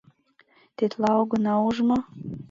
Тетла огына уж мо?